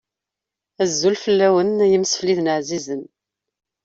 Azul fell-awen, ay imesfliden εzizen.